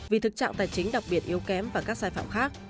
vì thực trạng tài chính đặc biệt yếu kém và các sai phạm khác